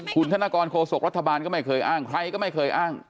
คุณธนกรโคศกรัฐบาลก็ไม่เคยอ้างใครก็ไม่เคยอ้าง